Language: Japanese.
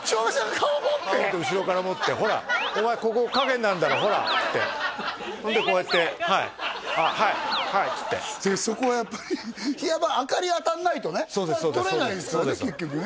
顔持って後ろから持って「ほらお前ここ影になるだろほら」ってほんでこうやって「はいあっはいはい」っつってそこはやっぱり明かり当たらないとね撮れないですからね結局ね